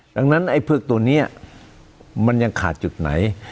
ดังนั้นไอ้เผือกตัวนี้มันยังขาดจุดไหน